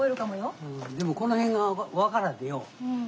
でもこの辺が分からんでよ。